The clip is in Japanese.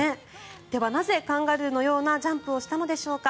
ではなぜ、カンガルーのようなジャンプをしたんでしょうか。